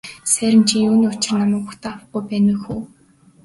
Сайран чи юуны учир намайг угтан авахгүй байна вэ хө.